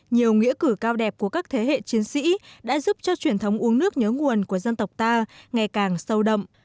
nhiều nghĩa cử cao đẹp của các thế hệ chiến sĩ đã giúp cho truyền thống uống nước nhớ nguồn của dân tộc ta ngày càng sâu đậm